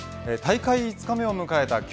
大会５日目を迎えた